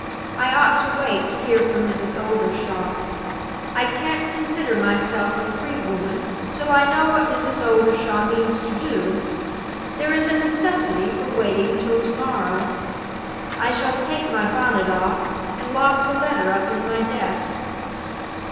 I ought to wait to hear from Mrs. Oldershaw. I can't consider myself a free woman till I know what Mrs. Oldershaw means to do. There is a necessity for waiting till to morrow. I shall take my bonnet off, and lock the letter up in my desk."